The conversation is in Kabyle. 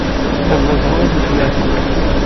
Ur lluẓeɣ ara taswiɛt-a.